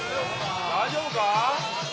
大丈夫か？